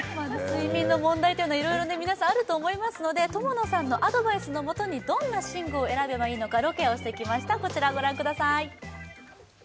睡眠の問題というのはいろいろ皆さんあると思いますので友野さんのアドバイスのもとにどんな寝具を選べばいいのかロケをしてきましたこちらご覧ください